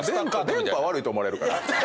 電波悪いと思われるから。